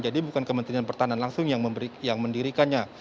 jadi bukan kementerian pertahanan langsung yang mendirikannya